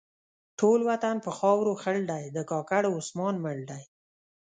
ټول وطن په خاورو خړ دی؛ د کاکړو عثمان مړ دی.